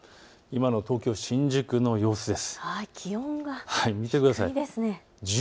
今の東京新宿の様子です。